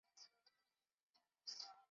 圣马特奥站的车站之一。